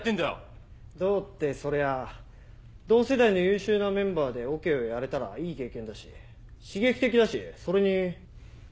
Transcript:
どうってそりゃ同世代の優秀なメンバーでオケをやれたらいい経験だし刺激的だしそれに千秋君。